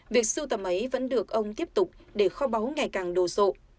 việc sưu tầm ấy vẫn được ông tiếp tục để kho báo ngày càng đồ dộ